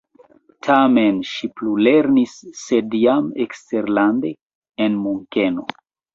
Tamen ŝi plulernis, sed jam eksterlande en Munkeno.